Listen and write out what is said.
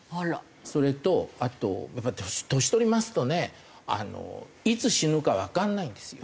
それとあと年取りますとねいつ死ぬかわかんないんですよ。